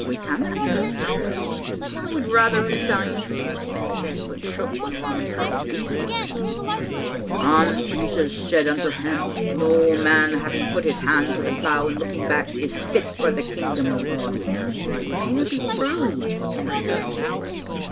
"We canna in terfere. "" I would rather resign," Spens said, but shook when Whamond hurled these words at him: "* And Jesus said unto him. No man, having put his hand to the plough and looking back, is fit for the king dom of God. '"" It mayna be true," Hendry said eagerly.